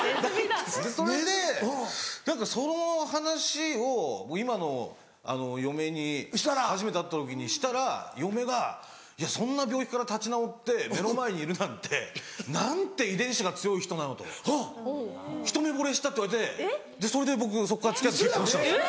それで何かその話を今の嫁に初めて会った時にしたら嫁が「そんな病気から立ち直って目の前にいるなんてなんて遺伝子が強い人なのひと目ぼれした」って言われてそれで僕そっから付き合って結婚したんです。